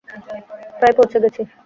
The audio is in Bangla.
প্রায় পৌঁছে গেছি।